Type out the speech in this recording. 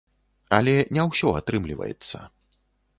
Але не ўсё атрымліваецца.